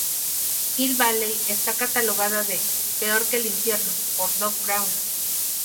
Hill Valley está catalogada de "peor que el infierno" por Doc Brown.